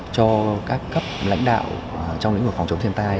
cho các cấp lãnh đạo trong lĩnh vực phòng chống thiên tai